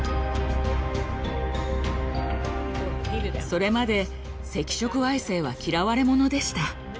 それまで赤色矮星は嫌われものでした。